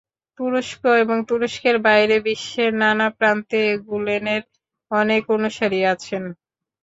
তুরস্ক এবং তুরস্কের বাইরে বিশ্বের নানা প্রান্তে গুলেনের অনেক অনুসারী আছেন।